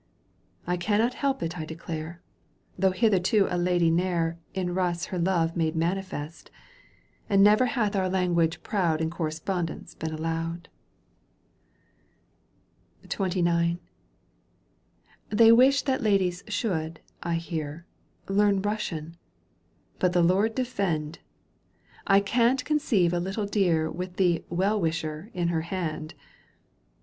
I cannot help it I declare, Though hitherto a lady ne'er In Euss her love made manifest, And never hath our language proud In correspondence been allowed.*^ XXIX. They wish that ladies should, I hear, Learn Eussian, but the Lord defend ! I can't conceive a little dear With the " Well Wisher " in her hand